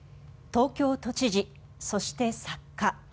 東京都知事、そして作家。